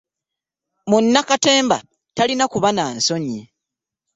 Munnakatemba talina kuba na nsonyi.